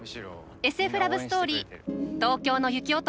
ＳＦラブストーリー「東京の雪男」